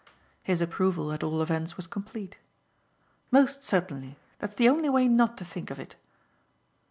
His approval at all events was complete. "Most certainly. That's the only way not to think of it."